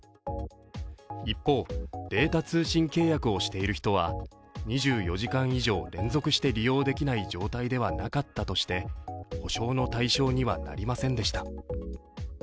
一方、データ通信契約をしている人は２４時間以上連続して利用できない状態ではなかったとして、補償の対象にはなりませんでした。